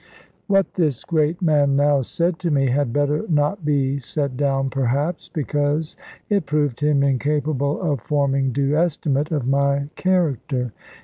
What this great man now said to me had better not be set down perhaps; because it proved him incapable of forming due estimate of my character.